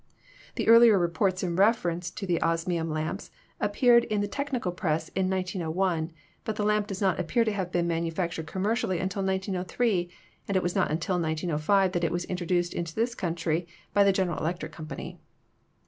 The earlier reports in reference to the osmium lamps appeared in the technical press in 1901, but the lamp does not appear to have been manufactured commercially until 1903, and it was not until 1905 that it was introduced into this country by the General Electric Company.